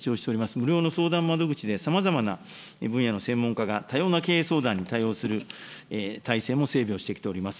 無料の相談窓口でさまざまな分野の専門家が、多様な経営相談に対応する体制も整備をしてきております。